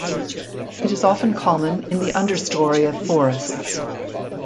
It is often common in the understorey of forests.